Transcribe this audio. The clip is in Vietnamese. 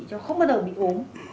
cháu không bao giờ bị ốm